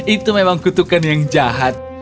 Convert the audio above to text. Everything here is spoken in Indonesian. itu memang kutukan yang jahat